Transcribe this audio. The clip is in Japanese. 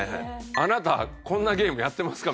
「あなたこんなゲームやってますか？」